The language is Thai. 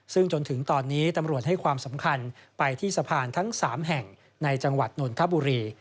ซึ่งจนถึงตอนนี้ตำรวจให้ความสำคัญไปที่สะพานทั้ง๓แห่งในจังหวัดนนทบุรี